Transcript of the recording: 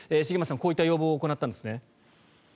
茂松さん、こういった要望を行ったんですね。